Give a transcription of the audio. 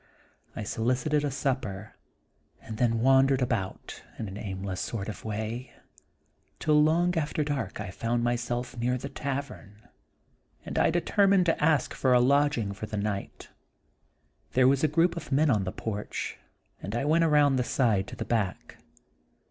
I solicited a supper, and then wandered about, in an aimless sort of way, till long after dark I found myself near the tavern, and I determined to ask for a lodging for the night. There was a group of men on the porch, and I went around the side to the back.